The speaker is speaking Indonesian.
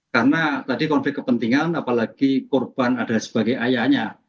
karena tadi konflik kepentingan apalagi korban adalah sebagai ayahnya